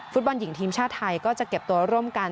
ฟุตบอลหญิงทีมชาติไทยก็จะเก็บตัวร่วมกัน